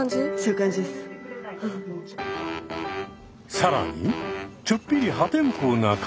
更にちょっぴり破天荒な解消法も。